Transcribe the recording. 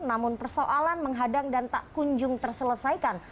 namun persoalan menghadang dan tak kunjung terselesaikan